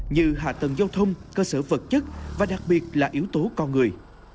như hạ tầng giao thông cơ sở vật chất và đặc biệt là yếu tố con người